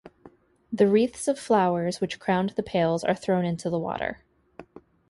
The wreaths of flowers which crowned the pails are thrown into the water.